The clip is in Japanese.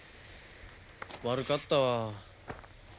悪かったわ。